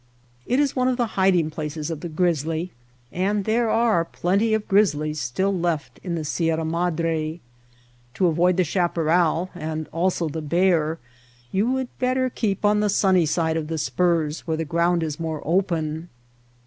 It is one of the hiding places of the grizzly. And there are plenty of grizzlies still left in the Sierra Madre. To avoid the chapar ral (and also the bear) you would better keep on the sunny side of the spurs where the ground is more open.